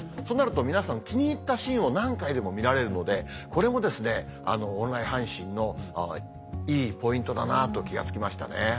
皆さん気に入ったシーンを何回でも見られるのでこれもオンライン配信のいいポイントだなと気が付きましたね。